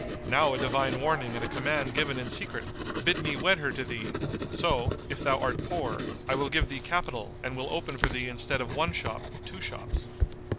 Now a divine warning and a command given in secret bid me wed her to thee; so, if thou art poor, I will give thee capital and will open for thee instead of one shop two shops."